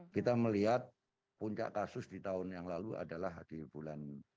kita melihat puncak kasus di tahun yang lalu adalah di bulan